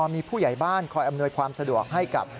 มีผู้ใหญ่บ้านคอยอำนวยความสะดวกให้กับ